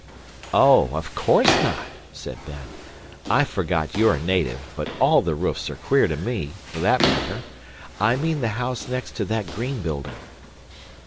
"Oh, of course not," said Ben. "I forgot you're a native, but all the roofs are queer to me, for that matter. I mean the house next to that green building."